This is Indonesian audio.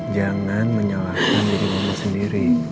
jangan menyalahkan diri mama sendiri